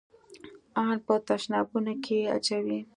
ان په تشنابونو کښې يې اچوي.